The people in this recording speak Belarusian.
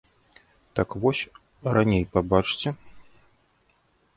Так вось, раней пабачце.